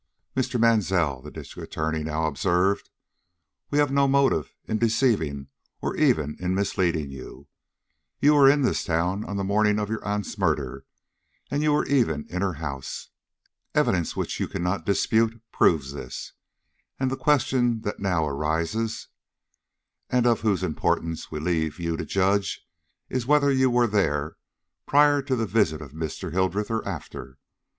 "Mr. Mansell," the District Attorney now observed, "we have no motive in deceiving or even in misleading you. You were in this town on the morning of your aunt's murder, and you were even in her house. Evidence which you cannot dispute proves this, and the question that now arises, and of whose importance we leave you to judge, is whether you were there prior to the visit of Mr. Hildreth, or after.